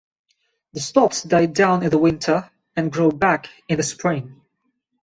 The stalks die down in the winter and grow back in the spring.